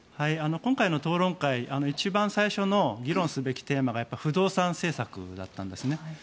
今回の討論会一番最初の議論すべきテーマが不動産政策だったんですね。